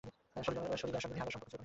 সলিলার সঙ্গে নীহারের ছিল বিশেষ ঘনিষ্ঠতা।